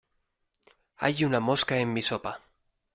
Hay una mosca en mi sopa.